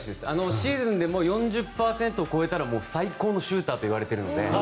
シーズンでも４０％を超えたら最高のシューターといわれているので。